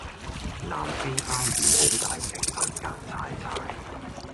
南非鮑魚好大隻但硬柴柴